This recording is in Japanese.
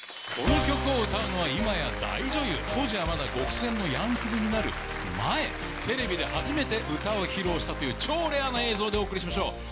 この曲を歌うのは、今や大女優、当時はまだごくせんのヤンクミになる前、テレビで初めて歌を披露したという超レアな映像でお送りしましょう。